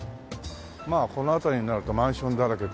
まあこの辺りになるとマンションだらけと。